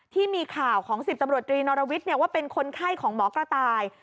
ที่มีข่าวของ๑๐ตำรวจตรีนอรวิทย์ว่าเป็นคนไข้ของหมอกระต่าย